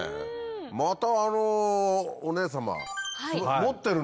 またあのお姉様。